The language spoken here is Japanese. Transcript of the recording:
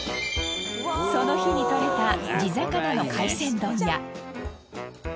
その日に獲れた地魚の海鮮丼や。